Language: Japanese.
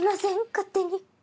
勝手に。